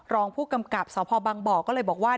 รองผู้กำกับสพบังบ่อก็เลยบอกว่า